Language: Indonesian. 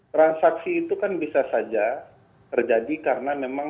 transaksi itu kan bisa saja terjadi karena memang